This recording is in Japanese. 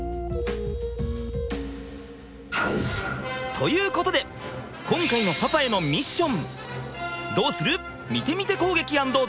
ということで今回のパパへのミッション！